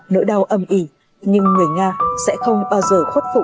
nỗi đau âm ỉ nhưng người nga sẽ không bao giờ khuất phụ trước khủng bố